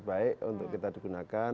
baik untuk kita digunakan